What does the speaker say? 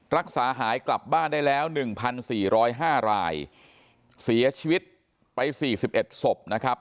รักษาหายกลับบ้านได้แล้ว๑๔๐๕รายเสียชีวิตไป๔๑ศพนะครับ